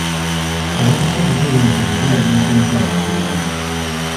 Obutali butebenkevu bulemesa enkulaakulana.